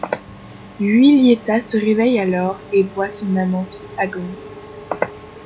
Giulietta se réveille alors et voit son amant qui agonise.